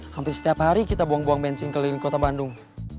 hampir setiap hari kita buang buang bensin keliling kota bandung